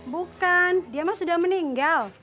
bukan dia memang sudah meninggal